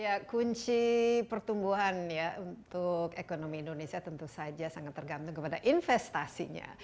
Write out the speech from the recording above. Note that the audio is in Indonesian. ya kunci pertumbuhan ya untuk ekonomi indonesia tentu saja sangat tergantung kepada investasinya